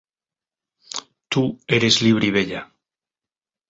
Tú eres libre y bella.